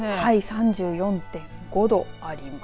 ３４．５度あります。